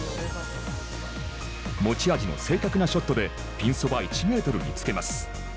持ち味の正確なショットでピンそば１メートルにつけます。